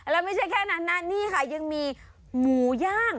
แล้วไม่ใช่แค่นั้นนะนี่ค่ะยังมีหมูย่าง